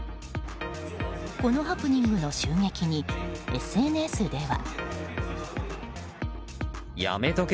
このハプニングの襲撃にＳＮＳでは。